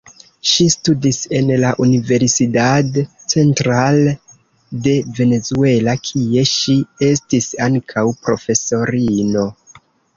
Ŝi studis en la Universidad Central de Venezuela, kie ŝi estis ankaŭ profesorino.